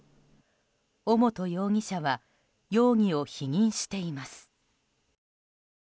尾本容疑者は容疑を否認しています。